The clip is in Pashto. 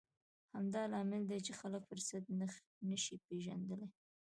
همدا لامل دی چې خلک فرصت نه شي پېژندلی.